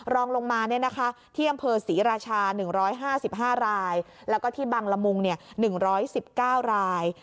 รองลงมาที่อำเภอศรีราชา๑๕๕รายแล้วก็ที่บังละมุง๑๑๙ราย